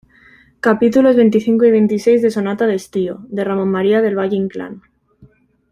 capítulos veinticinco y veintiséis de Sonata de estío, de Ramón María del Valle-Inclán.